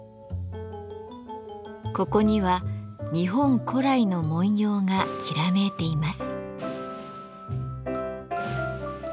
ここには日本古来の文様がきらめいています。